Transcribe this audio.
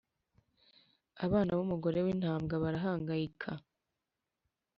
abana b’ umugore w ‘intabwa barahangayika.